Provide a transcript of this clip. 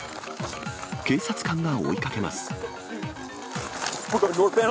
警察官が追いかけます。